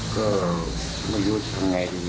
ก็ไม่ยุทธ์ทำอย่างไรดีครับ